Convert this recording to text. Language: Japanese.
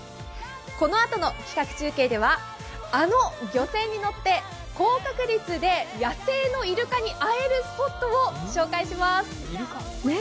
このあとの企画中継ではあの漁船に乗って、高確率で野生のイルカに会えるスポットを紹介します。